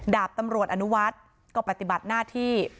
ดาบตำรวจอนุวัฒน์ก็ปฏิบัติหน้าที่